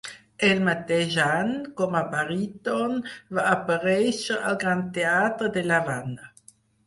El mateix any, com a baríton, va aparèixer al Gran Teatre de l'Havana.